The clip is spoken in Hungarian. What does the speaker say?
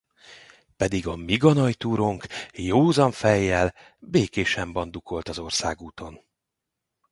Pedig a mi ganajtúrónk józan fejjel, békésen bandukolt az országúton.